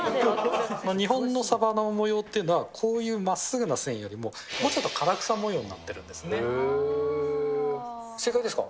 日本のサバの模様っていうのは、こういうまっすぐな線よりも、もうちょっと唐草模様になってる正解ですか？